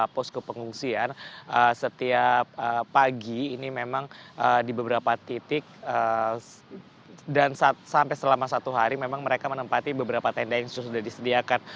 posko pengungsian setiap pagi ini memang di beberapa titik dan sampai selama satu hari memang mereka menempati beberapa tenda yang sudah disediakan